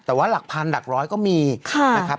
แต่ว่าหลักพันหลักร้อยก็มีนะครับ